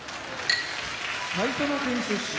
埼玉県出身